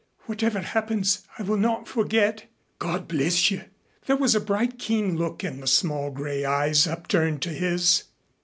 Whatever happens I will not forget. God bless you." There was a bright, keen look in the small gray eyes upturned to his.